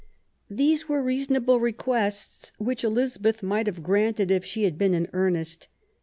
These were reasonable requests, which Elizabeth might have granted if she had been in earnest.